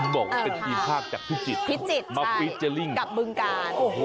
คุณบอกว่าเป็นอีกภาคจากพิจิตรมาฟิเจอร์ลิ่งกับบึงการ